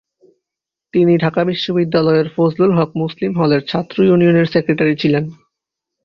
তিনি ঢাকা বিশ্ববিদ্যালিয়ের ফজলুল হক মুসলিম হলের ছাত্র ইউনিয়নের সেক্রেটারি ছিলেন।